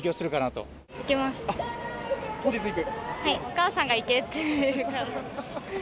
お母さんが行けって言うから。